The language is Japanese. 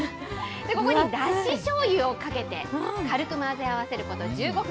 ここにだししょうゆをかけて、軽く混ぜ合わせること１５分。